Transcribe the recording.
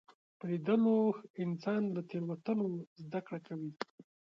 په لیدلو انسان له تېروتنو زده کړه کوي